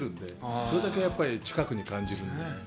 それだけ、やっぱり近くに感じるんでね。